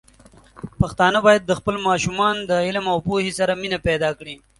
پښتانه بايد خپل ماشومان د علم او پوهې سره مینه پيدا کړي.